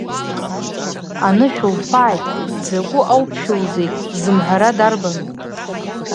Анышә лфааит, дзаку ауԥшәылузеи зымҳәара дарбану?